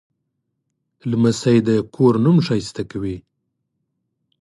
لمسی د کور نوم ښایسته کوي.